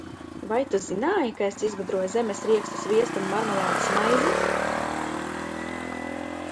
Vai tu zināji, ka es izgudroju zemesriekstu sviesta un marmelādes maizi?